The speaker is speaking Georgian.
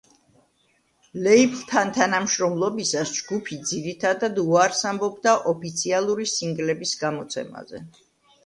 ლეიბლთან თანამშრომლობისას ჯგუფი ძირითადად, უარს ამბობდა ოფიციალური სინგლების გამოცემაზე.